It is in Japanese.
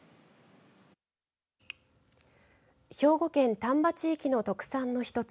兵庫県丹波地域の特産品の一つ